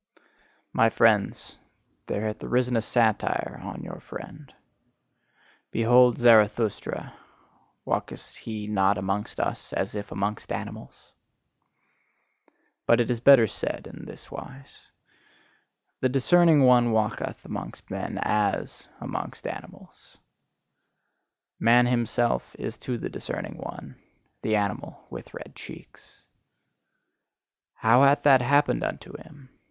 My friends, there hath arisen a satire on your friend: "Behold Zarathustra! Walketh he not amongst us as if amongst animals?" But it is better said in this wise: "The discerning one walketh amongst men AS amongst animals." Man himself is to the discerning one: the animal with red cheeks. How hath that happened unto him?